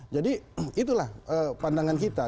jadi itulah pandangan kita